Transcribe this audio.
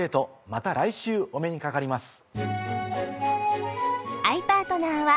また来週お目にかかります。